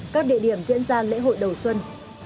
các địa điểm diễn ra lễ hội đầu xuân